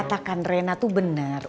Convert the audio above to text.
katakan rena tuh bener